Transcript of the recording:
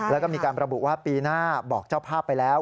แล้วก็มีการระบุว่าปีหน้าบอกเจ้าภาพไปแล้ว